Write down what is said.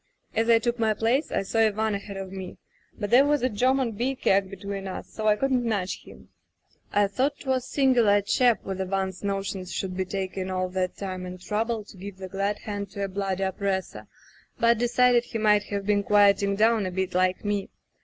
As I took my place I saw Ivan ahead of me, but there was a German beer keg between us, so I couldn't nudge him. I thought 'twas singular a chap with Ivan's notions should be taking all that time and trouble to give the glad hand to a bloody oppressor, but decided he might have been quieting down a bit like njie.